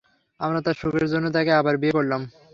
আমরা তার সুখের জন্য তাকে আবার বিয়ে করালাম।